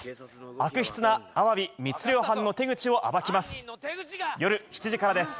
悪質なアワビ密漁犯の手口を暴きます。